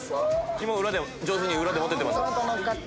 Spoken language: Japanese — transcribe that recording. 肝上手に裏で持ててます。